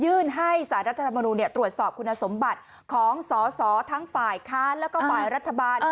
ให้สารรัฐธรรมนุนตรวจสอบคุณสมบัติของสสทั้งฝ่ายค้านแล้วก็ฝ่ายรัฐบาล